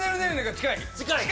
近い？